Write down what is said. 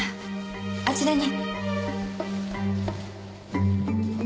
あちらに。